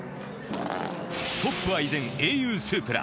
トップは依然ａｕスープラ。